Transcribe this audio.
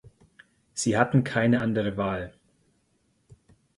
Sie hatten keine andere Wahl.